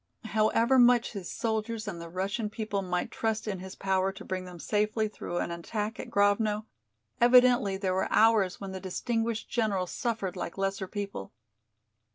However much his soldiers and the Russian people might trust in his power to bring them safely through an attack at Grovno, evidently there were hours when the distinguished general suffered like lesser people.